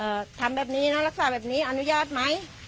ทำแบบนี้นะรักษาแบบนี้อนุญาตไหม